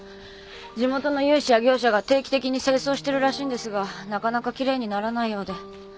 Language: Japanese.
地元の有志や業者が定期的に清掃してるらしいんですがなかなかきれいにならないようで。